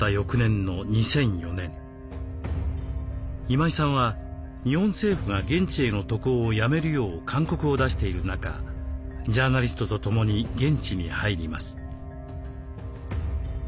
今井さんは日本政府が現地への渡航をやめるよう勧告を出している中ジャーナリストと共に現地に入ります。